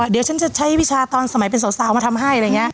เดี๋ยวฉันจะใช้วิชาตอนสมัยเป็นสาวมาทำให้อะไรอย่างนี้